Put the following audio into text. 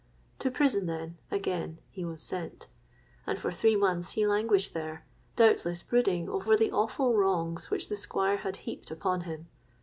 To prison, then, again he was sent; and for three months he languished there, doubtless brooding over the awful wrongs which the Squire had heaped upon him.